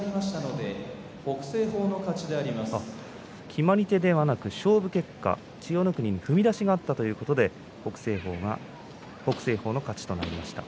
決まり手ではなく勝負結果千代の国に踏み出しがあったということで北青鵬の勝ちとなりました。